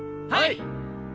はい！